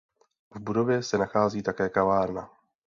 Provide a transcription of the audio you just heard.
V budově se nachází také kavárna.